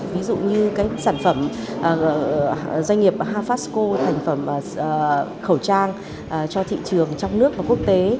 ví dụ như sản phẩm doanh nghiệp hafasco thành phẩm khẩu trang cho thị trường trong nước và quốc tế